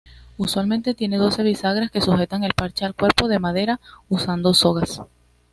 Usualmente tiene doce bisagras que sujetan el parche al cuerpo de madera usando sogas.